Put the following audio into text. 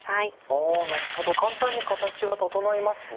あなるほど簡単に形が整いますね。